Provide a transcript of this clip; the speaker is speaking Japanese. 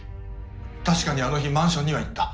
確かにあの日マンションには行った。